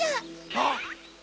あっ！